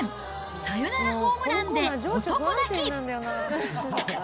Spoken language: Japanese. サヨナラホームランで男泣き。